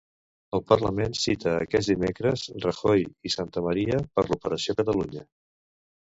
El Parlament cita aquest dimecres Rajoy i Santamaría per l'operació Catalunya.